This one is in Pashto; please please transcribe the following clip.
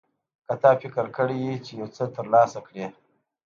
که تا فکر کړی وي چې یو څه ترلاسه کړې.